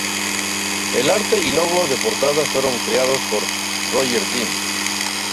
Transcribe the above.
El arte y logo de portada fueron creados por Roger Dean.